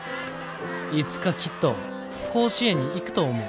いつかきっと甲子園に行くと思う」。